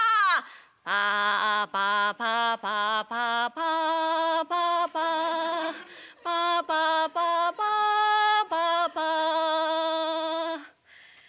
パパパパパパパパパパパパパパ落語はぜんぶ